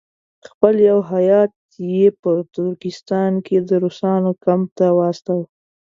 خپل یو هیات یې په ترکستان کې د روسانو کمپ ته واستاوه.